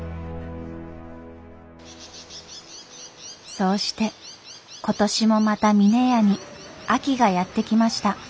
そうして今年もまた峰屋に秋がやって来ました。